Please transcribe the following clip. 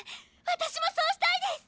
私もそうしたいです！